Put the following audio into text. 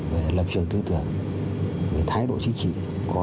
về lập trường tư tưởng về lập trường tư tưởng về lập trường tư tưởng